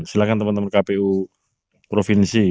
silahkan teman teman kpu provinsi